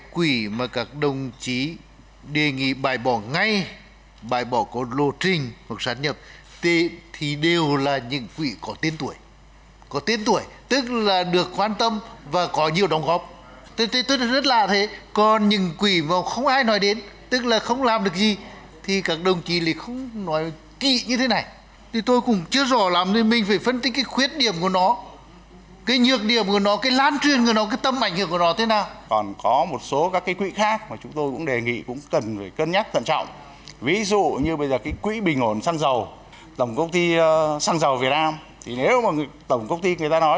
quỹ phòng chống thiên tai quỹ phòng chống thiên tai quỹ phòng chống thiên tai quỹ phòng chống thiên tai quỹ phòng chống thiên tai quỹ phòng chống thiên tai quỹ phòng chống thiên tai quỹ phòng chống thiên tai quỹ phòng chống thiên tai quỹ phòng chống thiên tai quỹ phòng chống thiên tai quỹ phòng chống thiên tai quỹ phòng chống thiên tai quỹ phòng chống thiên tai quỹ phòng chống thiên tai quỹ phòng chống thiên tai quỹ phòng chống thiên tai quỹ phòng chống thiên tai quỹ phòng chống thiên tai quỹ phòng chống thiên tai quỹ phòng chống thiên tai quỹ phòng chống thiên tai qu